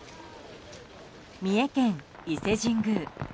三重県、伊勢神宮。